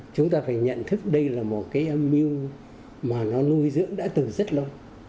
chúng ta phải nhận thức đây là một cái âm mưu mà nó nuôi dưỡng đã từ rất lâu